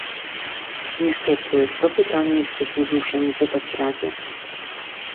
Niestety to pytanie jesteśmy zmuszeni zadać Radzie